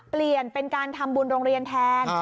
เปลี่ยนเป็นการทำบุญโรงเรียนแทน